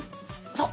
そう！